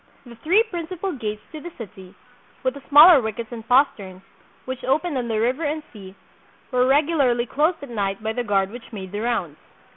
The three principal gates to the city, with the smaller wickets and posterns, which opened on the river and sea, were regularly closed at night by the guard which made the rounds.